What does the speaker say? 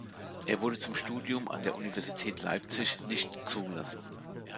Er wurde zum Studium an der Universität Leipzig nicht zugelassen.